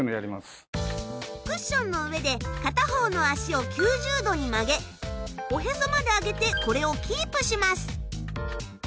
クッションの上で片方の足を９０度に曲げおへそまで上げてこれをキープします。